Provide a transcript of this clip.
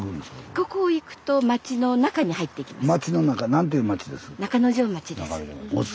ここ行くと町の中に入っていきます。